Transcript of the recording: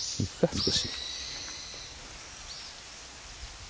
少し。